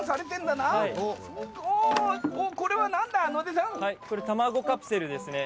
これは何だ野出さんこれ卵カプセルですね